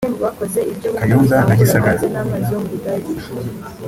Kayonza na Gisagara